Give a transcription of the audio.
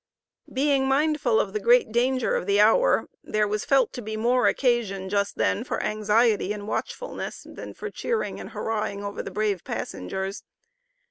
Being mindful of the great danger of the hour, there was felt to be more occasion just then for anxiety and watchfulness, than for cheering and hurrahing over the brave passengers.